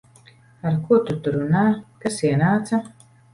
Ar ko tu tur runā? Kas ienāca?